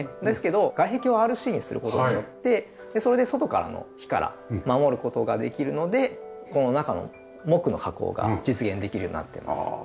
ですけど外壁をＲＣにする事によってそれで外からの火から守る事ができるのでこの中の木の加工が実現できるようになってます。